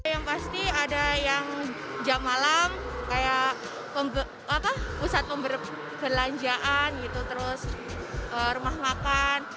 yang pasti ada yang jam malam kayak pusat pembelanjaan gitu terus rumah makan